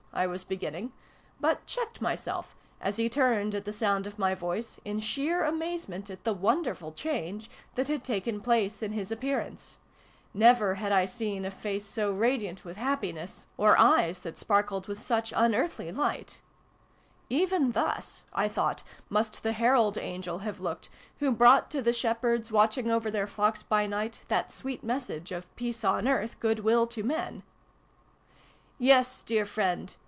I was beginning, but checked myself, as he turned at the sound of my voice, in sheer amazement at the wonderful change that had taken place in his appearance. Never had I seen a face so radiant with happiness, or eyes that sparkled 94 SYLVIE AND BRUNO CONCLUDED. with such unearthly light! "Even thus," I thought, " must the herald angel have looked, who brought to the shepherds, watching over their flocks by night, that sweet message of ' peace on earth, good will to men' /"" Yes, dear friend